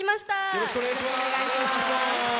よろしくお願いします。